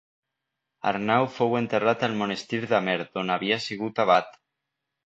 Arnau fou enterrat al monestir d'Amer d'on havia sigut abat.